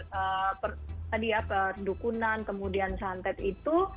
tadi ya perdukunan kemudian santet itu